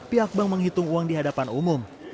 pihak bank menghitung uang di hadapan umum